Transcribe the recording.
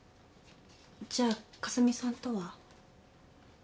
じゃあかすみさんとは？